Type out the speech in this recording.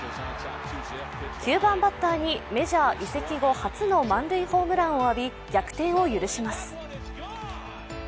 ９番バッターにメジャー移籍後初の満塁ホームランを浴び逆転を許します。